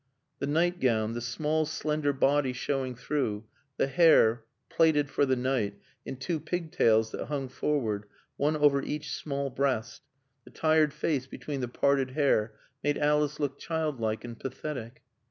The nightgown, the small, slender body showing through, the hair, platted for the night, in two pig tails that hung forward, one over each small breast, the tired face between the parted hair made Alice look childlike and pathetic.